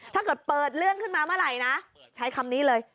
ถ้าเกิดเปิดเรื่องขึ้นมาเมื่อไหร่นะใช้คำนี้เลย